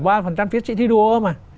bao nhiêu phần trăm phía trị thi đua